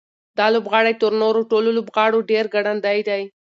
دا لوبغاړی تر نورو ټولو لوبغاړو ډېر ګړندی دی.